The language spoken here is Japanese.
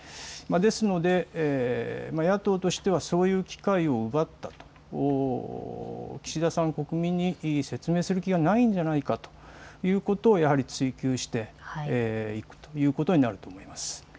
ですので野党としてはそういう機会を奪ったと岸田さん、国民に説明する気がないんじゃないかということをやはり追及していくということになると思います。